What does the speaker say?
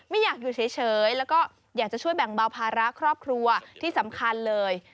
ไม่อยากอยู่เฉยแล้วก็อยากจะช่วยแบ่งเบาภาระครอบครัวที่สำคัญเลย